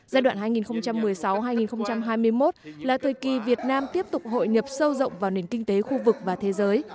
giai đoạn hai nghìn một mươi sáu hai nghìn hai mươi một là thời kỳ việt nam tiếp tục hội nhập sâu rộng vào nền kinh tế khu vực và thế giới